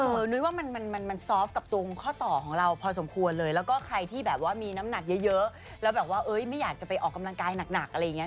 คือนุ้ยว่ามันมันซอฟต์กับตรงข้อต่อของเราพอสมควรเลยแล้วก็ใครที่แบบว่ามีน้ำหนักเยอะแล้วแบบว่าไม่อยากจะไปออกกำลังกายหนักอะไรอย่างนี้